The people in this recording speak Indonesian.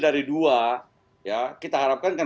dari dua kita harapkan